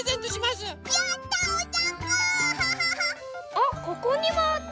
あっここにもあった！